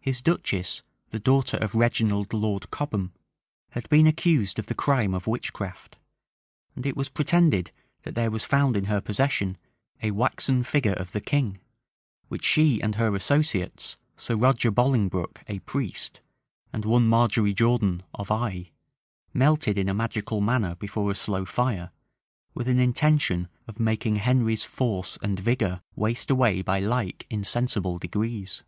His duchess, the daughter of Reginald Lord Cobham, had been accused of the crime of witchcraft; and it was pretended, that there was found in her possession a waxen figure of the king, which she and her associates, Sir Roger Bolingbroke, a priest, and one Margery Jordan, of Eye, melted in a magical manner before a slow fire, with an intention of making Henry's force and vigor waste away by like insensible degrees.